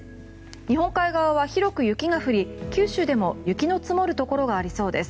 日本海側では広く雪が降り九州でも雪の積もるところがありそうです。